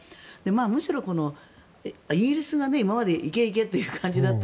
むしろイギリスが今まで行け、行けという感じだった